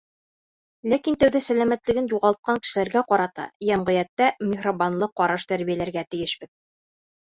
Ләкин тәүҙә сәләмәтлеген юғалтҡан кешеләргә ҡарата йәмғиәттә миһырбанлы ҡараш тәрбиәләргә тейешбеҙ.